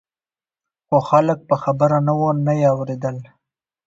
خو خلک په خبره نه وو نه یې اورېدل.